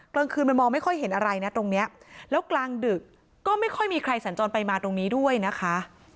กลางคืนมันมองไม่ค่อยเห็นอะไรนะตรงเนี้ยแล้วกลางดึกก็ไม่ค่อยมีใครสัญจรไปมาตรงนี้ด้วยนะคะ